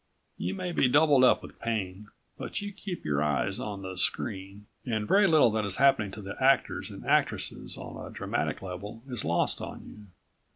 You may be doubled up with pain, but you keep your eyes on the screen and very little that is happening to the actors and actresses on a dramatic level is lost on you.